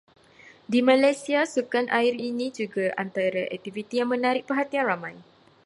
Di Malaysia sukan air ini juga antara aktiviti yang menarik perhatian ramai.